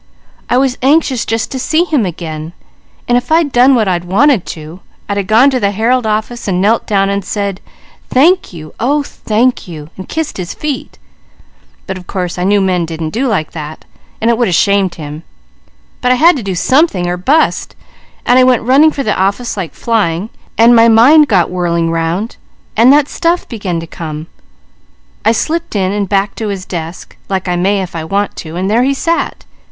I was anxious just to see him again, and if I'd done what I wanted to, I'd a gone in the Herald office and knelt down, and said: 'Thank you, oh thank you!' and kissed his feet, but of course I knew men didn't do like that, and it would have shamed him, but I had to do something or bust, and I went running for the office like flying, and my mind got whirling around, and that stuff began to come. "I slipped in and back to his desk, like I may if I want to, and there he sat.